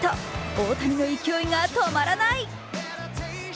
大谷の勢いが止まらない！